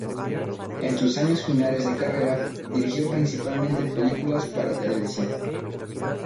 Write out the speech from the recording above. En sus años finales de carrera, dirigió principalmente películas para televisión.